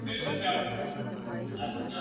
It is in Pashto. لمبول کېدله